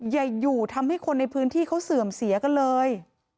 อย่าอยู่ทำให้คนในพื้นที่เขาเสื่อมเสียกันเลย